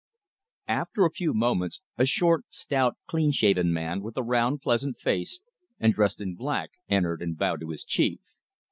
After a few moments a short, stout, clean shaven man with a round, pleasant face, and dressed in black, entered and bowed to his chief.